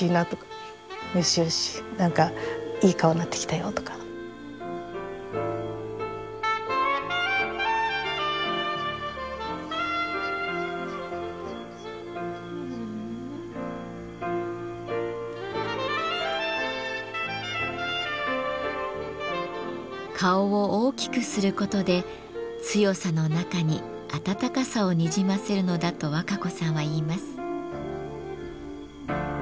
よしよしなんか顔を大きくすることで強さの中に温かさをにじませるのだと若子さんは言います。